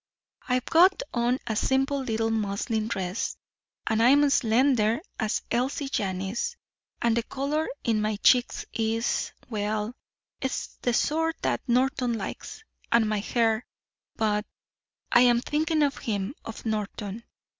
I've got on a simple little muslin dress, and I'm slender as Elsie Janis, and the color in my cheeks is well, it's the sort that Norton likes. And my hair but I'm thinking of him, of Norton.